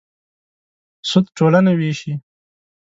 سود ټولنه وېشي.